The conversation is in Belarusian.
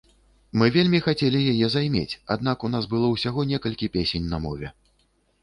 Мы вельмі хацелі яе займець, аднак у нас было ўсяго некалькі песень на мове.